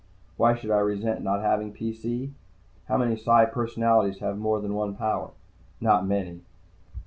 Why should I resent not having PC? How many Psi personalities have more than one power? Not many.